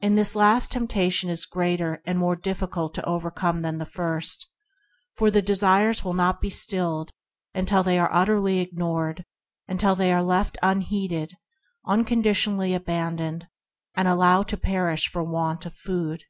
And this last temptation is greater and more difficult to overcome than the first, for the desires will not be stilled until they are utterly ignored; until they are left unheeded, unconditionally abandoned, and allowed to perish for want of food.